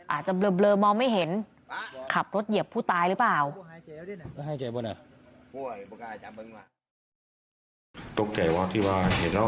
อาจจะเบลอมองไม่เห็นขับรถเหยียบผู้ตายหรือเปล่า